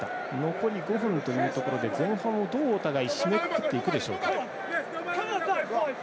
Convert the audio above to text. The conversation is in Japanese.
残り５分というところで前半をどうお互い締めくくっていくでしょうか。